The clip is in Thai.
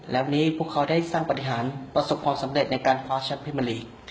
แล้วนี้พวกเขาได้สร้างปฏิหารประสบความสำเร็จในการคว้าแชมปริมาลีก